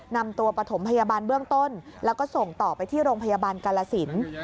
นำตัวปฐมพยาบาลเบื้องต้นแล้วก็ส่งต่อไปที่โรงพยาบาลกาลสิน